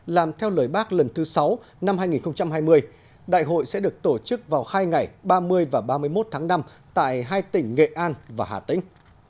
làm theo lời bác lần thứ sáu năm hai nghìn hai mươi đại hội sẽ được tổ chức vào hai ngày ba mươi và ba mươi một tháng năm tại hai tỉnh nghệ an và hà tĩnh